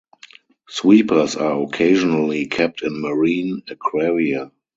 Sweepers are occasionally kept in marine aquaria.